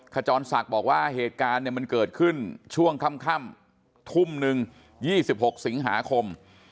ขจรศักดิ์บอกว่าเหตุการณ์มันเกิดขึ้นช่วงค่ำทุ่มนึง๒๖สิงหาคม